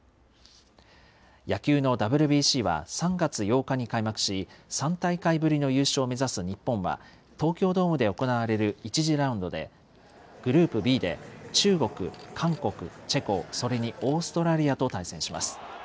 野球のＷＢＣは３月８日に開幕し、３大会ぶりの優勝を目指す日本は、東京ドームで行われる１次ラウンドで、グループＢで中国、韓国、チェコ、それにオーストラリアと対戦します。